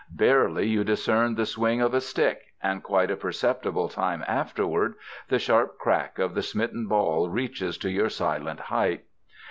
Barely you discern the swing of a stick, and quite a perceptible time afterward, the sharp crack of the smitten ball reaches to your silent height.